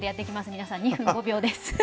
皆さん２分５秒です。